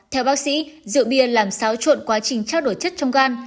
theo bác sĩ rượu bia làm xáo trộn quá trình trao đổi chất trong gan